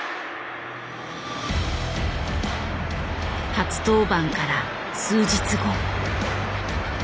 初登板から数日後。